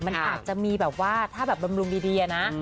มันอาจจะมีแบบว่าถ้าแบบบำรุงดีอะนะ